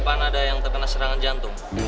papi lo kena serangan jantung